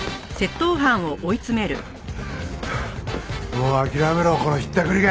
もう諦めろこのひったくりが！